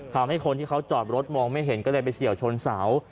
ทำให้คนที่เขาจอดรถมองไม่เห็นก็เลยไปเฉียวชนเสา